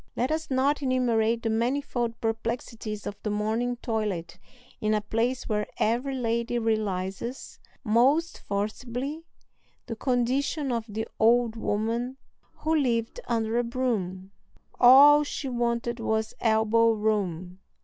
Let us not enumerate the manifold perplexities of the morning toilet in a place where every lady realizes most forcibly the condition of the old woman who lived under a broom: "All she wanted was elbow room."